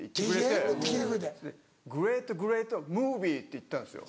それで「グレートグレートムービー」って言ったんですよ。